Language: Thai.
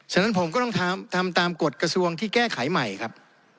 ฉะนั้นผมก็ต้องทำตามกฎกระทรวงที่แก้ไขใหม่ครับ